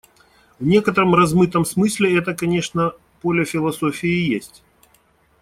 В некотором размытом смысле это, конечно, поле философии и есть.